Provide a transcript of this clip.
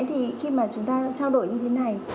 thì khi mà chúng ta trao đổi như thế này